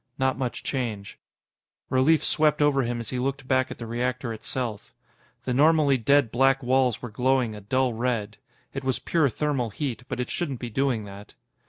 Not much change. Relief swept over him as he looked back at the reactor itself. The normally dead black walls were glowing a dull red. It was pure thermal heat, but it shouldn't be doing that.